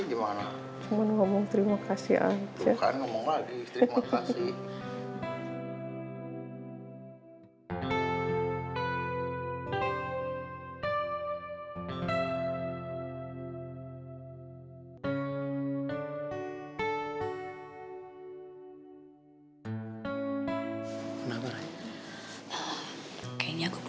sayang dari badan